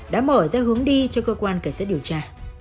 đã mở ra hướng đi cho cơ quan cảnh sát điều tra